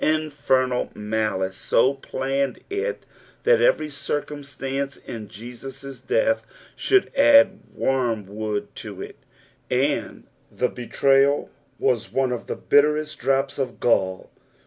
Infernal malice so planned it that every circumstance in Jesus' death should add wormwood to it ; and the betrayal was one of the bitterest drops of gall.